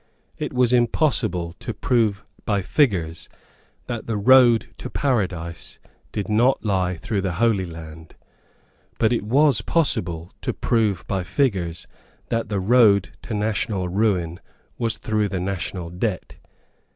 It was impossible to prove by figures that the road to Paradise did not lie through the Holy Land; but it was possible to prove by figures that the road to national ruin was through the national debt.